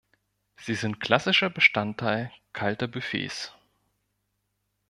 Sie sind klassischer Bestandteil kalter Buffets.